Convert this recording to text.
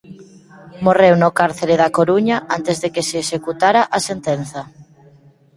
Morreu no cárcere da Coruña antes de que se executara a sentenza.